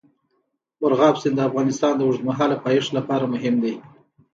مورغاب سیند د افغانستان د اوږدمهاله پایښت لپاره مهم دی.